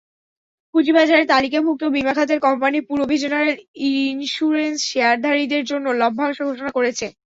পুঁজিবাজারে তালিকাভুক্ত বিমা খাতের কোম্পানি পূরবী জেনারেল ইনস্যুরেন্স শেয়ারধারীদের জন্য লভ্যাংশ ঘোষণা করেছে।